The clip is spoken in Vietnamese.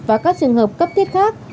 và các trường hợp cấp thiết khác